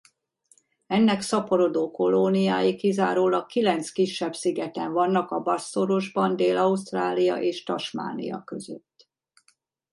Ennek szaporodó kolóniái kizárólag kilenc kisebb szigeten vannak a Bass-szorosban Dél-Ausztrália és Tasmania között.